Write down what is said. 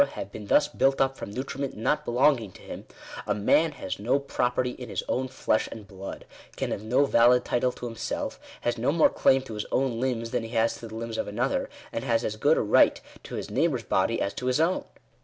have been thus built up from nutriment not belonging to him, a man has no property in his own flesh and blood — can have no valid title to himself — has no more claim to his own limbs than he has to the limbs of another — and has as good a right to his neighbour's body as to his own